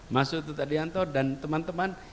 mas utut adianto dan teman teman